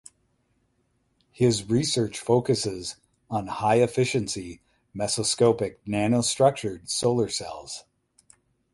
His research focuses on high efficiency mesoscopic nanostructured solar cells.